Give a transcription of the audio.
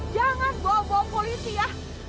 jangan bawa bawa polisi ya